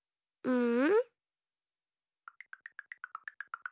うん。